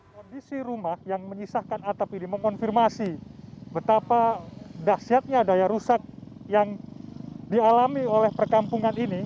kondisi rumah yang menyisahkan atap ini mengonfirmasi betapa dahsyatnya daya rusak yang dialami oleh perkampungan ini